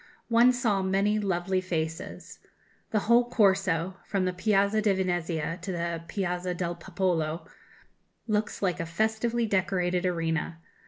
One saw many lovely faces.... The whole Corso, from the Piazza di Venezia to the Piazza del Popolo, looks like a festively decorated arena.